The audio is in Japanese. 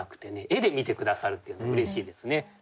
絵で見て下さるっていうのはうれしいですね。